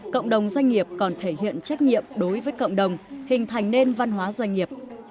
cộng đồng doanh nghiệp còn thể hiện trách nhiệm đối với cộng đồng hình thành nền văn hóa doanh nghiệp